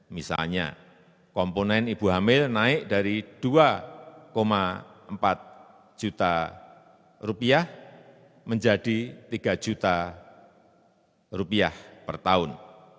misalnya komponen ibu hamil naik dari rp dua empat juta rupiah menjadi tiga juta rupiah per tahun